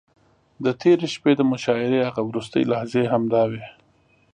د تېرې شپې د مشاعرې هغه وروستۍ لحظې همداوې.